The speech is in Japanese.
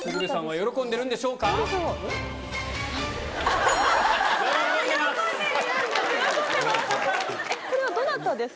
喜んでます。